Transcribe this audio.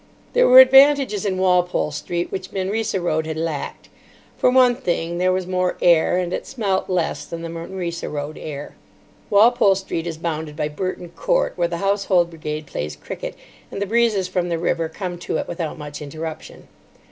There were advantages in Walpole Street which Manresa Road had lacked. For one thing, there was more air, and it smelt less than the Manresa Road air. Walpole Street is bounded by Burton Court, where the Household Brigade plays cricket, and the breezes from the river come to it without much interruption.